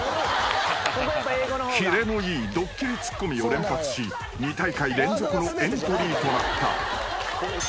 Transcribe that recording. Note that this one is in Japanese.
［切れのいいドッキリツッコミを連発し２大会連続のエントリーとなった］